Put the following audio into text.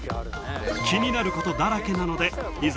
気になることだらけなのでいざ